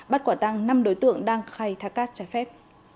bắt quả tăng năm đối tượng đang khai thác cát trái phép